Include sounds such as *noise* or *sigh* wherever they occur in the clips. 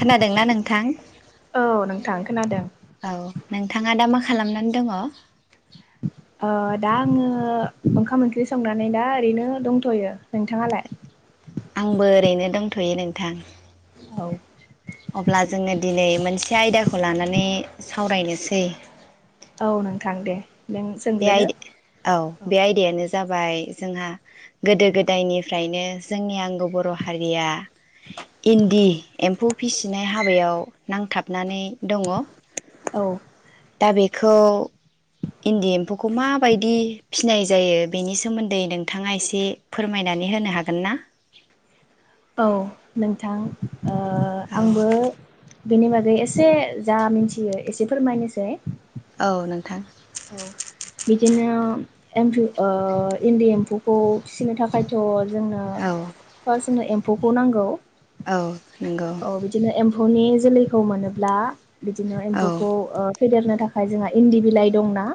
खोनादोंना नोंथां औ नोंथां खोनादों औ नोंथाङा दा मा खालामनानै दङ ओ दा आङो ओ ओंखाम ओंख्रि संनानै दा ओरैनो दंथ'यो नोंथाङालाय आंबो ओरैनो दंथ'यो नोंथां औ अब्ला जोङो दिनै मोनसे आयदाखौ लानानै सावरायनोसै औ नोंथां दे नों बे आ सोंग्रोदो औ बे आयदायानो जाबाय जोंहा गोदो गोदायनिफ्रायनो जोंनि आं बर' हारिया इन्दि एम्फौ फिसिनाय हाबायाव नांथाब हाबनानै दङ औ खौ इन्दि एम्फौखौ माबायदि फिसिनाय जायो बेनि सोमोन्दै नोंथाङा एसे फोरमायनानै होनो हागोन ना औ नोंथां ओ औ आंबो बेनि बागै एसे जा मिथियो एसे फोरमायनोसै औ नोंथां औ बिदिनो एम्फु इन्दि एम्फौखौ फिसिनो थाखायथ' औ जोंनो *unintelligible* एफौखौ नांगौ औ नंगौ औ बिदिनो एम्फौनि जोलैखौ मोनोब्ला बिदिनो औ एम्फौखौ फेदेरनो थाखाय जोंहा इन्दि बिलाइ दंना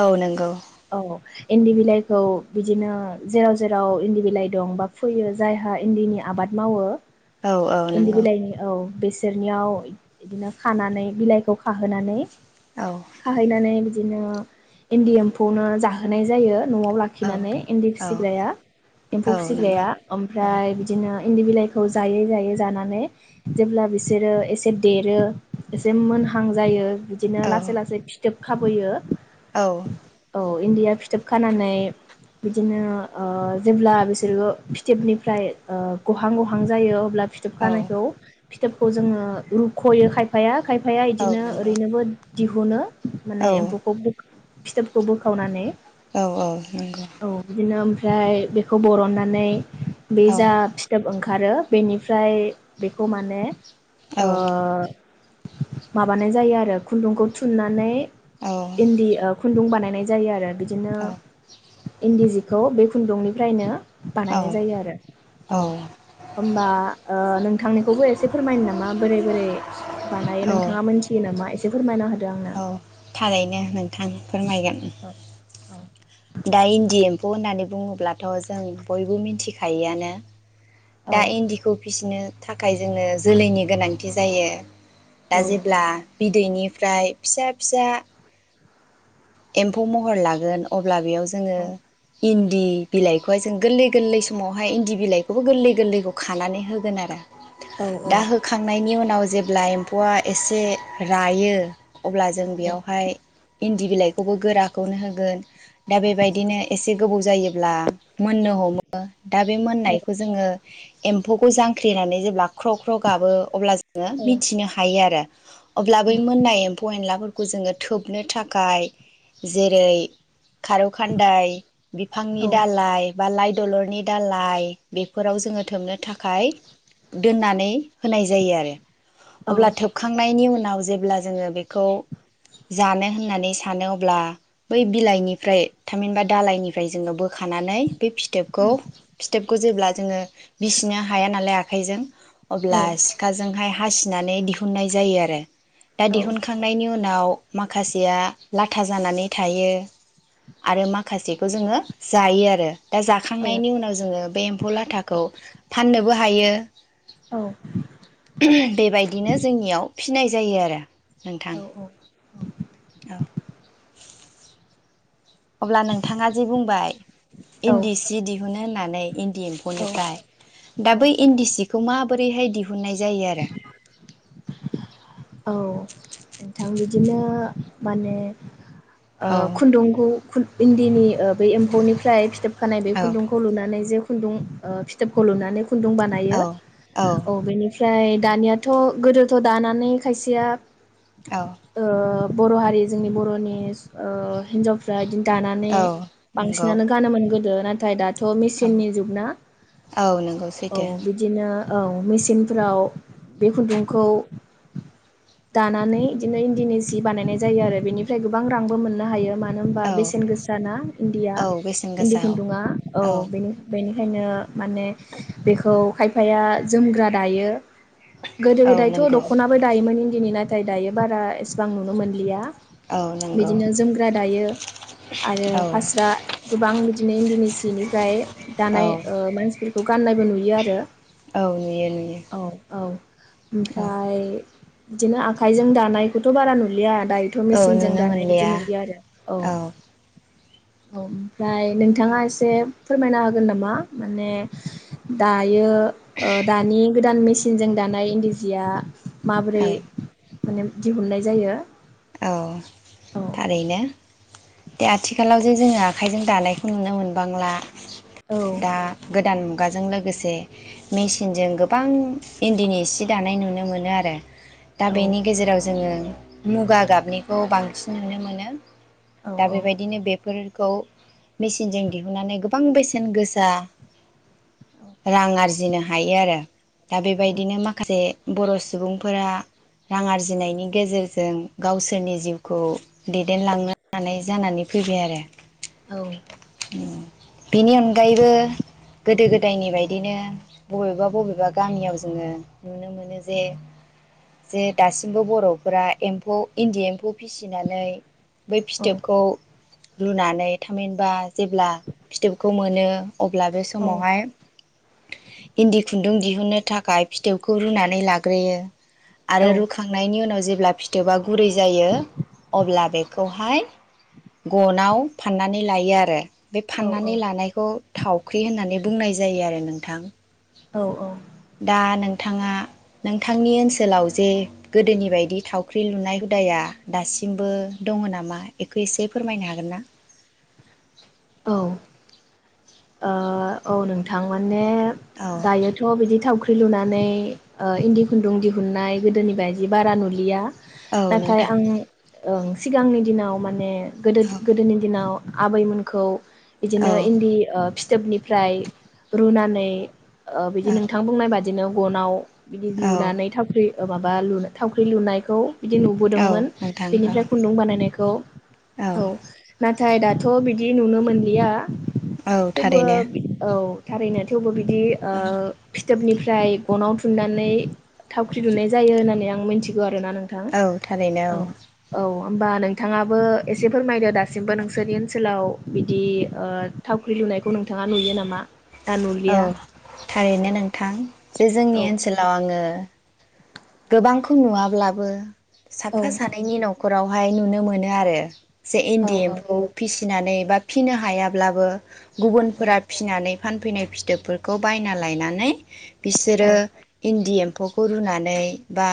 औ नंगौ औ इन्दि बिलाइखौ बिदिनो जेराव जेराव इन्दि बिलाइ दं बा फैयो जायहा इन्दिनि आबाद मावो औ औ इन्दि नंगौ बिलाइनि औ बेसोरनियाव बिदिनो खानानै बिलाइखौ खाहोनानै औ खाहैनानै बिदिनो इन्दि एम्फौनो जाहोनाय जायो न'आव औ लाखिनानै इन्दि औ फिसिग्राया एम्फौ औ नंगौ फिसिग्राया औ ओमफ्राय बिदिनो इन्दि बिलाइखौ जायै जायै जानानै जेब्ला बिसोरो एसे देरो एसे मोनहां जायो बिदिनो लासै औ लासै जोबखा होयो औ इन्दिया फिथोब खानानै बिदिनो जेब्ला बिसोरो फिथोबनिफ्राय गहां गहां जायो अब्ला फिथोब औ खानायखौ फिथोबखौ जोङो रुख'यो खायफाया खायफाया इदिनो नंगौ औ नंगौ ओरैनोबो दिहुनो औ माने एम्फौखौबो फिथोबखौ बोखावनानै औ औ नंगौ औ बिदिनो ओमफ्राय बेखौ बरननानै बे जा फिथोब ओंखार ओंखारो बेनिफ्राय बेखौ माने औ ओ माबानाय जायो आरो खुन्दुंखौ थुननानै औ इन्दि ओ खुन्दुं बानाय नाय जायो आरो बिदिनो इन्दि जिखौ बे खुन्दुंनिफ्रायनो बानायनाय जायो आरो औ होनबा ओ नों नोंथांनिखौबो एसे फोरमायनो नामा बोरै बोरै बानायो नोंथाङा मोनथियो नामा एसे फोरमाय दो आंनो। औ थारैनो नोंथां फोरमायगोन। औ। दा इन्दि एम म्फौ होननानै बुङोब्लाथ' जों बयबो मिथिखायोआनो। औ दा इन्दिखौ फिसिनो थाखाय जोंनो जोलैनि गोनांथि जायो। दा औ जेब्ला बिदैनि ओमफ्राय फिसा फिसा एम्फौ महर लागोन अ अब्ला बेयाव जोङो औ इन्दि बिलाइखौहाय जों गोरलै गोरलै समावहाय इन्दि बिलाइखौबो गोरलै गोरलैखौ खानानै होगोन आरो। औ दा होखांनायनि उनाव उनाव जेब्ला एम्फौआ एसे रायो अब्ला जों बेयावहाय इन्दि बिलाइ खौबो गोराखौनो होगोन। दा बेबायदिनो एसे गोबाव जायो। ब्ला मोननो हमो। दा बे मोननायखौ जोङो एम्फौखौ जांख्रिनानै जेब्ला ख्र' ख्र' गाबो अब्ला जोङो औ मिथिनो हायो आरो। अब्ला बै मोननाय एम्फौ एनलाफोर खौ जोङो थोबनो थाखाय जेरै खारौ खान्दाय औ बिफांनि दालाय बा लाइ दलरनि दालाइ बेफोराव जोङो थोबनो थाखाय दोननानै होनाय जायो आरो औ अब्ला थोबखांनायनि उन नाव जेब्ला जोङो बेखौ जानो होननानै सा सानो अब्ला बै बिलाइनिफ्राय थामहिनबा दालाइनिफ्राय जोङो बो बोखानानै बे फिथोब फिथोबखौ जेब्ला जोङो बिसिनो हाया नालाय खाइजों। अब्ला सिखाजोंहाय हासिनानै दिहुननाय जायो आरो। दा दिहुनखांनायनि उनाव माखासेया लाथा जानानै थायो। आरो माखासे खौ जोङो जायो आरो। दा जाखांनायनि उनाव जोङो बे एम्फौ लाथाखौ फाननोबो हायो। बेबायदिनो जोंनियाव फिनाय जायो आरो नोंथां। औ अब्ला नोंथाङा जि बुंबाय इन्दि सि दिहुनो होननानै इन दि एम्फौनिफ्राय दा औ बै इन्दि सिखौ माबोरैहाय दिहुनन्नाय जायो आरो? औ नोंथां बिदिनो माने ओ औ खुन्दुंखौ खुन इन्दिनि बै एम्फौनिफ्राय फिथोबखानाय बे औ खुन्दुंखौ लुनानै जे खुन्दुं ओ फिथोबखौ लुनानै खुन्दुं बानायो औ बेनि ओमफ्राय दानियाथ' गोदोथ' दानानै खायसेया औ ओ बर' हारि जोंनि बर'नि ओ हिनजावफ्रा दानानै औ नंगौ बांसिनानो गानोमोन गो दो नाथाय दान थ' औ मेसिननि जुगना औ नंगौ औ सैथो बिदिनो औ मेसिनफोराव बे खुन्दुं खौ दानानै इदिनो इन्दिनि जि बानायनाय जायो आरो बेनिफ्राय गोबां रांबो मोननो हायो मा मानो होमबा औ बेसेन गोसा ना इन्दिया औ बेसेन इन्दि गोसा औ खुन्दुङा औ बेनि बेनि खायनो माने बेखौ खाय खायफाया जोमग्रा दायो। गोदो औ गोदायथ नंगौ द'खनाबो दायोमोन इन्दिनि नाय नाथाय दायो बारा एसेबां नुनो मोनलिया। औ नंगौ बिदिनो जोमग्रा दायो आरो औ फास्रा गोबां बिदिनो इन्दिनि सिनिफ्राय औ दानाय ओ मानसिफोरखौ गाननायबो नुयो आरो औ नुयो नुयो औ औ। औ ओमफ्राय बिदिनो आखाइजों दानायखौथ बारा नुलिया, दायोथ' औ मेसिनजों नुनो दानाय बिदि मोनलिया नुलिया आरो औ। औ ओमफ्राय नोंथाङा एसे फोरमायनो हागोन नामा? माने दा। इयो ओ दानि गोदान मेसि मेसिन जों दानाय इन्दि जिया माबोरै, औ माने दिहुननाय जायो। औ औ थारैनो, दा आथिखालाव जे जोङो आखाइजों दानायखौ नुनो मोनबांला औ दा गोदान मुग खुगाजों लोगोसे मेसिनजों गोबां इन्दिनि सि दानाय नुनो मोनो आरो दा औ बेनि गेजेराव जोङो मुगा गाबनिखौ बांसिन नुनो मोनो। औ दा औ बेबायदिनो बेफोर खौ मेसिनजों दिहुननानै गोबां बेसेन गोसा रां आरजिनो हायो आरो दा औ बेबायदिनो माखासे बर' सुबुंफोरा रां आरजिनायनि गेजेरजों गावसोरनि जिउखौ दैदेनलांनो हानाय जानानै फैबाय आरो। औ *inaudible* बेनि अनगायैबो गोदो गोदायनि बायदिनो बबेबा बबेबा गामियाव जोङो नुनो मोनो जे जे दासिमबो बर'फोरा एम्फौ इन्डि एमफौ फिसिनानै बै फिथोबखौ रुनानै थामहिनबा जेब्ला फिथोबखौ मोनो अब्ला बे औ समावहाय इन्दि खुन्दुं दिहुन्नो थाखाय फिथोबखौ रुनानै लाग्रोयो। आरो रुखांनायनि उनाव जोब ब्ला फिथोबा गुरै जायो अब्ला बे खौहाय गनाव फाननानै लायो आरो बे फाननानै लानायखौ थावख्रि होननानै बुंनाय जायो आरो नोंथां। औ औ दा नोंथाङा नोंथांनि ओनसोलाव जे गोदोनि बायदि थावख्रि लुनाय हुदाया दासिमबो दङ नामा बेखौ एसे फोरमायनो हागोन ना? औ ओ औ नोंथांमोन। म औ दायोथ' बिदि थावख्रि थावख्रि लुनानै ओ इन्दि खुन्दुं दिहुननाय गोदोनि बायदि बारा नुलिया। औ नाथाय नोंथां आं ओं सिगांनि दिनाव माने गोदो औ गोदोनि दिनाव आबैमोनखौ औ बिदिनो इन्दि ओ फिथोबनिफ्राय रुनानै ओ बिदि नोंथां औ बुंनाय बादि बिदिनो गनाव बिदि औ लुनानै थावख्रि माबा लु थावख्रि लुनायखौ बिदि औ नुबोदोंमोन नोंथां औ बेनिफ्राय खुन्दुं बानायनायखौ औ ना नाथाय दाथ' बिदि नुनो मोनलिया औ थेवबो थारैनो औ थारैनो थेवबो बि दि ओ औ फि फिथोबनिफ्राय गनाव थुननानै थावख्रि लुनाय जायो होननानै आं मिथिगौ आर ना नोंथां औ औ होमबा नोंथाङाबो एसे फोरमायदो दासिमबो नोंसोरनि ओनसोलाव बिदि ओ थाव ख्रि लुनायखौ नोंथाङा नुयो नामा? ना औ नुलिया औ थारैनो नोंथां जे जोंनि औ ओनसोलाव आङो गोबांखौ नुवाब्लाबो औ साफा सानैनि न'खराव बाहाय नुनो मोनो आरो। जे औ इन्दि औ एम्फौ फिसिनानै बा फिनो हायाब्लाबो औ गुबुनफोरा फिनानै फानफैनाय फिथोबफोरखौ बायना लायनानै औ बिसोरो इन्दि एम फौखौ रुनानै बा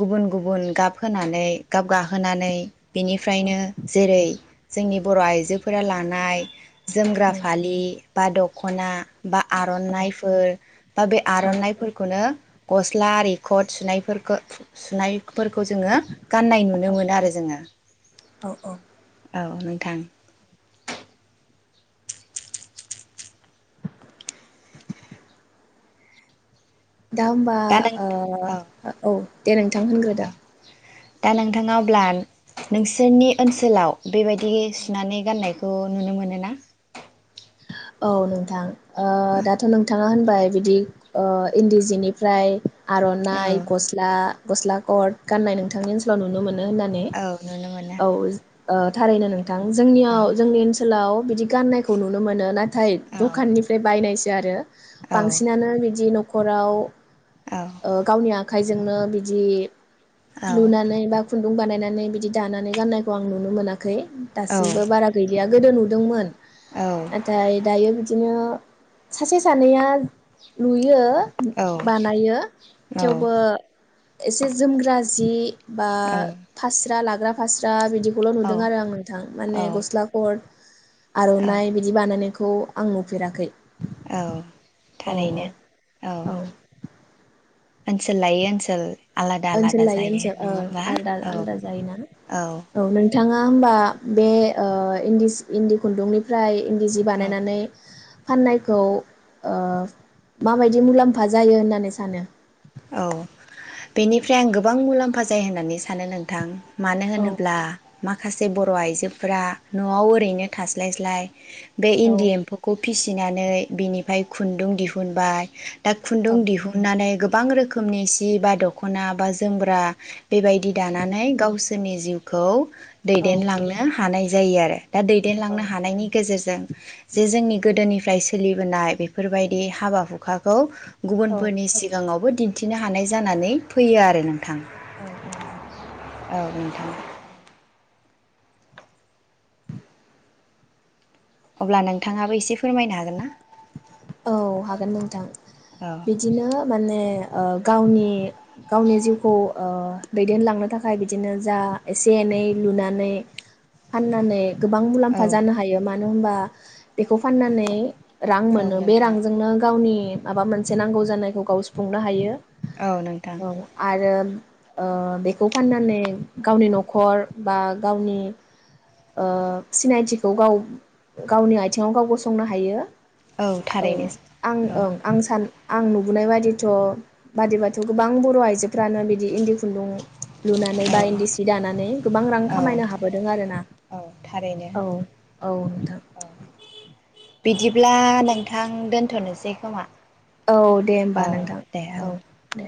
गुबुन गुबुन गाब होनानै गाब गाहोनानै बेनिफ्रायनो जेरै जोंनि बर आइजोफोरा लानाय जोमग्रा औ फालि बा दखना बा आरनाइफोर बा बे आरनाइफोरखौनो गस्ला आरि कट सुनाय फोरफोरखौ सुनाय फोरखौ जोंङो गाननाय नुनो मोनो आरो जोंङो औ औ औ थां दा होमबा दा नों औ ओ औ दे नोंथां औ होनग्रोदो दा नोंथाङा अब्ला नोंसोरनि ओनसोलाव बेबायदि औ सुनानै गाननाय खौ नुनो मोनोना औ नोंथां ओ दाथ नोंथा थांङा होनबाय बिदि इन्दि जिनिफ्राय औ आरनाइ गस्ला गस्ला गथ गाननाय नोंथांनि ओनसोलाव नुनो मोनो होननानै औ नुनो मोनो औ थारैनो नोंङो औ जोंनियाव जोंनि ओनसोलाव बिदि गाननायखौ नु नो मोनो ना थाय औ दखाननिफ्राय बायनायसै आरो औ बांसिनानो बिदि नखर खराव औ ओ गावनिया खाइजोंनो बिदि औ लुनानै बाखुन दुं बानायनानै बिदि दानानै गाननायखौ आं नुनो मोना खै औ दासिमबो बारा गैलिया गोदो नुदोंमोन। औ। नाथाय दायो बिदिनो सासे सानैया नुयो बानायो थेवबो एसे जोमग्रा जि बा फास्रा लाग ग्रा फास्रा बिदि खौल' औ नुदों आरो आं नोंथां माने औ गस्ला खरट औ आर'नाय बानायनायखौ आं नुफेराखै। औ औ औ थारैनो औ। ओनसोल लायो ओनसोल ‌ ओनसोल लायै ओनसोल औ आलदा औ आलदा जायोना औ नोंथाङा होमबा बे ओ इन्दि सि इन्दि खुन्दुंनिफ्राय इन्दि जि औ बानायनानै फाननायखौ ओ माबायदि मुलाम्फा जायो होननानै सानो? औ। बेनिफ्राय आं गोबां मुलाम्फा बाद जायो होननानै सानो नोंथां? मानो औ होनोब्ला माखासे जे बर' आइजोफोरा न'आव ओरैनो थास्लायस्लाय बे इन्दि औ एम्फौखौ फिसिनानै बिनिफ्राय खुन्दुं दिहुनबाय दा औ खुन्दुं दिहुननानै गोबां रोखोमनि सि बा दख'ना बा जोमग्रा बेबायदि दानानै गावसोरनि जिउ खौ औ दैदेनलांनो हानाय जायो आरो। दा औ दैदेनलांनो हानायनि गेजेरजों जे जोंनि गोदोनिफ्राय सोलिबोनाय बेफोरबायदि हाबा हुखाखौ औ गुबुनफोरनि सि आवबो दिन्थिनो हानाय जानानै फैयो आरो नोंथां। औ औ औ। औ नोंथां। अब्ला नोंथाङाबो एसे फोरमायनो हागोन ना? औ हागोन नोंथां औ बिदिनो माने ओ गावनि गावनि जिउखौ ओ दैदेनलांनो थाखाय बिदिनो जा एसे एनै लुनानै फाननानै गोबां औ मुलाम्फा जानो हायो मा नो होनबा बेखौ फाननानै रां औ मोनोमोन। बे नोंथां रांजोंनो गावनि माबा मोनसे नांगौ जानायखौ गाव सुफुंनो हायो। औ नोंथां औ आरो। ओ बेखौ फाननानै गावनि न'खर बा गावनि ओ सिनायथिखौ गाव गावनि आथिङाव गाव गसंनो हायो। औ आं औ ओं आं सान। आं नुबोनाय बादिथ' बादिबाथ' गोबां बर' आइजोफ्रानो बिदि इन्दि खुन्दुं लुनानै औ बा इन्दि सि दानानै गोबां रां औ खामायनो हाबोदों आरो ना औ थारैनो औ औ नोंथां। औ बिदिब्ला नोंथां दोनथ'नोसै खोमा। औ दे औ होमबा नोंथां दे औ दे।